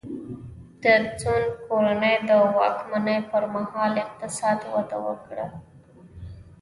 د سونګ کورنۍ د واکمنۍ پرمهال اقتصاد وده وکړه.